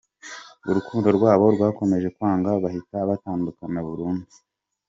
Urukundo rwabo rwakomeje kwanga bahita batandukana burundu.